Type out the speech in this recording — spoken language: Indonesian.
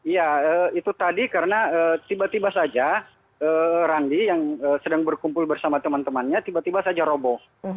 ya itu tadi karena tiba tiba saja randi yang sedang berkumpul bersama teman temannya tiba tiba saja roboh